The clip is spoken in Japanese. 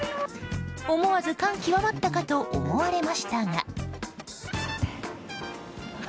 思わず感極まったかと思われましたが。